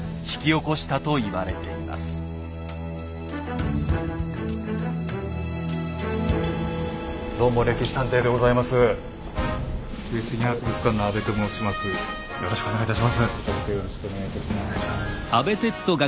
こちらこそよろしくお願いいたします。